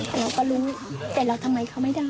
แต่เราก็รู้แต่เราทำอะไรเขาไม่ได้